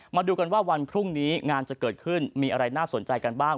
มาดูกันว่าวันพรุ่งนี้งานจะเกิดขึ้นมีอะไรน่าสนใจกันบ้าง